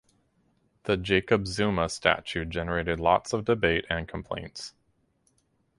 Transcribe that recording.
The Jacob Zuma statue generated lots of debate and complaints.